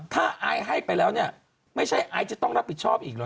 ถ้าไอซ์ให้ไปแล้วเนี่ยไม่ใช่ไอซ์จะต้องรับผิดชอบอีกเหรอ